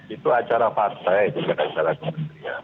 itu acara partai bukan acara kementerian